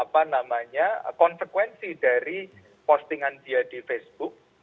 proses konsekuensi dari postingan dia di facebook